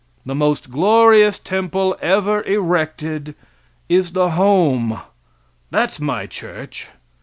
The most glorious temple ever erected is the home that's my church.